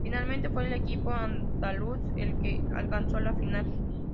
Finalmente, fue el equipo andaluz el que alcanzó la final.